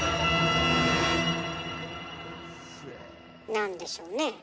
何でしょうね？